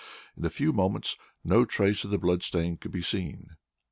In a few moments no trace of the blood stain could be seen.